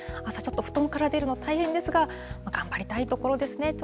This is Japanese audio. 朝ちょっと布団から出るの大変ですが、頑張りたいところですね。